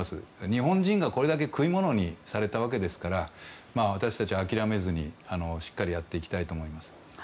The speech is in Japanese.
日本人がこれだけ食い物にされたわけですから私たちは諦めずにしっかりやっていきたいと思います。